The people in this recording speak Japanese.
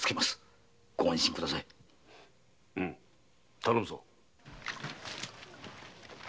頼むぞ。